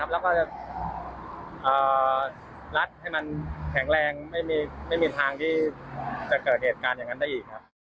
แล้วก็จะรัดให้มันแข็งแรงไม่มีทางที่จะเกิดเหตุการณ์อย่างนั้นได้อีกครับ